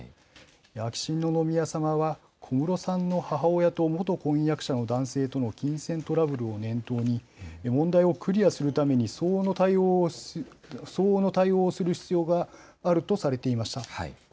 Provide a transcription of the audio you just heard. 秋篠宮さまは、小室さんの母親と元婚約者の男性との金銭トラブルを念頭に、問題をクリアするために相応の対応をする必要があるとされていました。